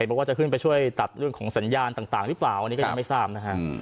บอกว่าจะขึ้นไปช่วยตัดเรื่องของสัญญาณต่างหรือเปล่าอันนี้ก็ยังไม่ทราบนะฮะ